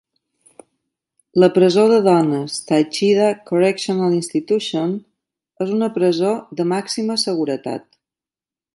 La presó de dones Taycheedah Correctional Institution és una presó de màxima seguretat.